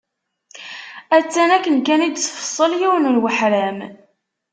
Attan akken kan i d-tfeṣṣel yiwen n weḥram.